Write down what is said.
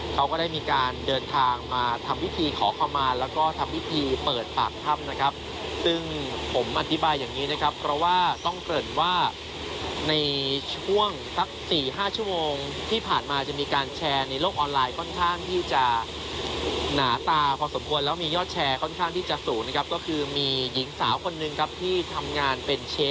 เขาก็ได้มีการเดินทางมาทำพิธีขอเข้ามาแล้วก็ทำพิธีเปิดปากถ้ำนะครับซึ่งผมอธิบายอย่างนี้นะครับเพราะว่าต้องเกริ่นว่าในช่วงสัก๔๕ชั่วโมงที่ผ่านมาจะมีการแชร์ในโลกออนไลน์ค่อนข้างที่จะหนาตาพอสมควรแล้วมียอดแชร์ค่อนข้างที่จะสูงนะครับก็คือมีหญิงสาวคนหนึ่งครับที่ทำงานเป็นเช